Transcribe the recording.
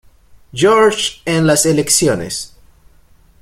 George en las elecciones.